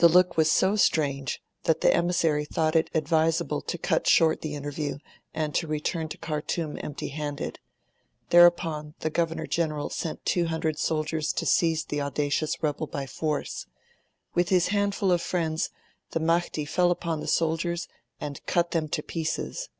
The look was so strange that the emissary thought it advisable to cut short the interview and to return to Khartoum empty handed. Thereupon, the Governor General sent 200 soldiers to seize the audacious rebel by force. With his handful of friends, the Mahdi fell upon the soldiers and cut them to pieces.